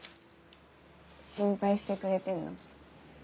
心配してくれてんの？